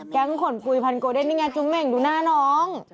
แก้งขนกุยพันธุ์โกเดนนี่ไงจุ้มเม่งดูหน้าน้อง